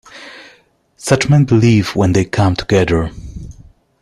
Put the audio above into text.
Such men believe, when they come together.